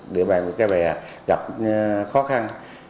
địa bàn cái bè gặp khó khăn